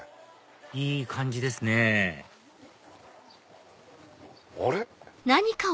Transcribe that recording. いい感じですねあれ？